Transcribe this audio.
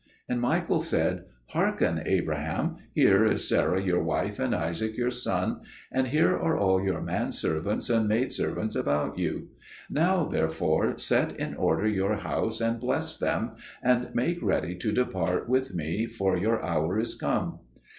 And Michael said, "Hearken, Abraham: here is Sarah your wife and Isaac your son, and here are all your manservants and maidservants about you. Now therefore set in order your house and bless them, and make ready to depart with me, for your hour is come."